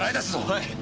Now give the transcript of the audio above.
はい。